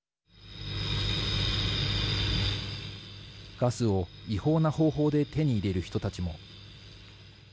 ガスを違法な方法で手に入れる人たちも。